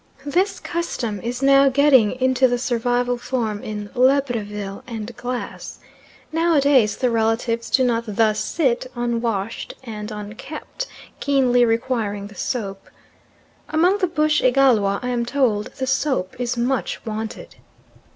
This custom is now getting into the survival form in Libreville and Glass. Nowadays the relatives do not thus sit, unwashed and unkempt, keenly requiring the soap. Among the bush Igalwa, I am told, the soap is much wanted.